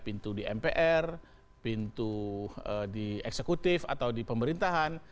pintu di mpr pintu di eksekutif atau di pemerintahan